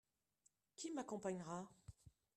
Qui m'accompagnera.